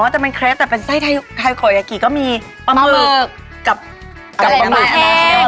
จะเป็นเครปแต่เป็นไส้โกยากิก็มีปลาหมึกกับปลาหมึก